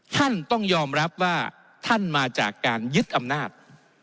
ท่านต้องยอมรับว่าท่านมาจากการยึดอำนาจ